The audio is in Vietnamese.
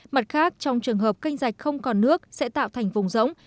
mặt khác trong trường hợp canh rạch không còn nước sẽ tạo thành vùng rỗng